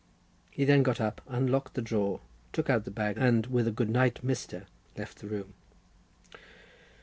He then got up, unlocked the drawer, took out the bag, and with a "good night, Mr.," left the room.